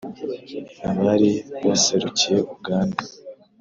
abari baserukiye uganda.